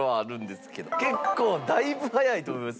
結構だいぶ早いと思います